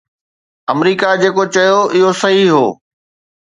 آمريڪا جيڪو چيو اهو صحيح هو.